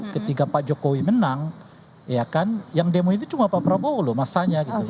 ketika pak jokowi menang ya kan yang demo itu cuma pak prabowo loh masanya gitu